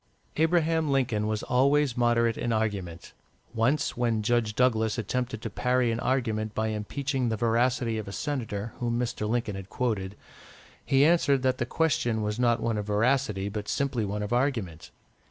Abraham Lincoln was always moderate in argument. Once, when Judge Douglas attempted to parry an argument by impeaching the veracity of a senator whom Mr. Lincoln had quoted, he answered that the question was not one of veracity, but simply one of argument.